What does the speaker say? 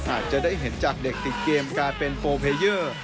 อาจจะได้เห็นจากเด็กติดเกมการเป็นโฟเพเยอร์